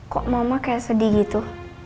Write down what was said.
kok mama kayak sedih gitu